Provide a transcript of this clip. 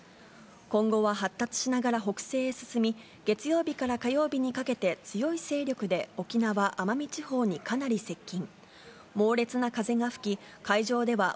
今後は発達しながら北西へ進み、月曜日から火曜日にかけて、強い勢力で沖縄・奄美地方にかなり接近。